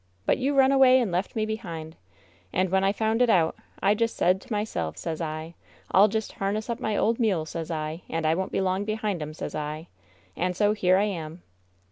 But you run away and left me behind. And w^en I found it out I just said to myself, sez I, I'll just ) Arness up my old mule, sez I, and I won't be long behinti 'em, sez I. And so here I am."